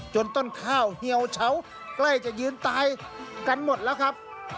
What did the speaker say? ต้นข้าวเหี่ยวเฉาใกล้จะยืนตายกันหมดแล้วครับ